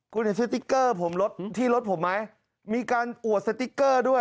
คุณเห็นสติ๊กเกอร์ผมรถที่รถผมไหมมีการอวดสติ๊กเกอร์ด้วย